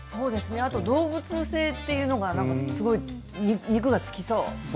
あと動物性というのがすごい肉がつきそう。